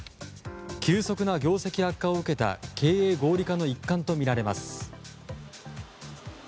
急速な業績悪化を受けた経営合理化の一環とみられます。